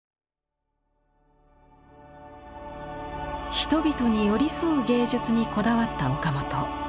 人々に寄り添う芸術にこだわった岡本。